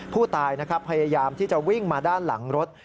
ผู้ตายนะครับพยายามที่จะวิ่งมาด้านหลังรถ